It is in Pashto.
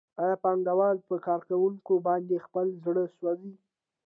آیا پانګوال په کارګرانو باندې خپل زړه سوځوي